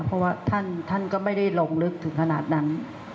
เพราะว่าท่านก็ไม่ได้ลงลึกถึงขนาดนั้น